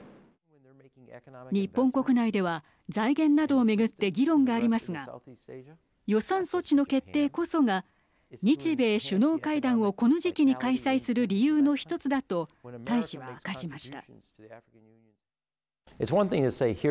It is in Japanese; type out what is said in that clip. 日本国内では財源などを巡って議論がありますが予算措置の決定こそが日米首脳会談をこの時期に開催する理由の１つだと大使は明かしました。